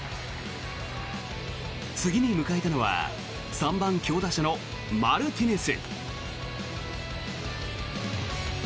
次に迎えたのは３番、強打者のマルティネス。